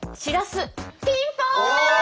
ピンポン！